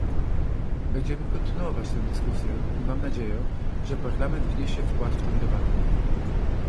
Będziemy kontynuować tę dyskusję i mamy nadzieję, że Parlament wniesie wkład w tę debatę